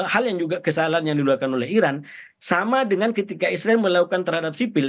hal yang juga kesalahan yang diluarkan oleh iran sama dengan ketika israel melakukan terhadap sipil